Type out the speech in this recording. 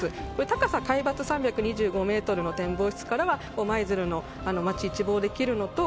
高さ海抜３２５ｍの展望室からは舞鶴の街を一望できるのと